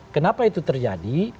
kenapa itu terjadi